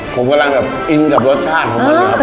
ผมกำลังแบบอินกับรสชาติของมันอยู่ครับ